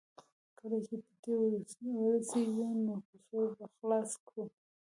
کله چې پټي ته ورسېږو نو کڅوړه به خلاصه کړو